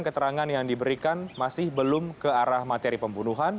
keterangan yang diberikan masih belum ke arah materi pembunuhan